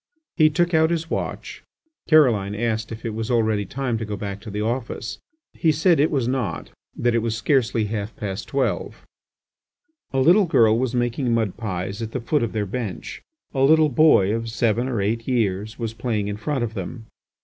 He took out his watch. Caroline asked if it was already time to go back to the office. He said it was not, that it was scarcely half past twelve. A little girl was making mud pies at the foot of their bench; a little boy of seven or eight years was playing in front of them.